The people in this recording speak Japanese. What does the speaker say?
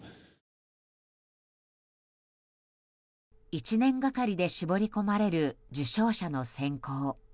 １年がかりで絞り込まれる受賞者の選考。